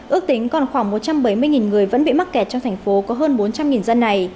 ước tính còn khoảng một trăm bảy mươi người vẫn bị mắc kẹt trong thành phố có hơn bốn trăm linh dân này